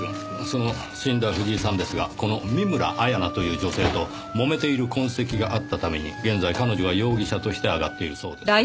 その死んだ藤井さんですがこの見村彩那という女性ともめている痕跡があったために現在彼女は容疑者として挙がっているそうですよ。